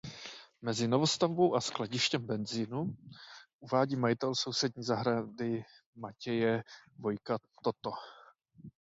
Mezi novostavbou a skladištěm benzínu uvádí majitel sousední zahrady Matěje Vojka toto: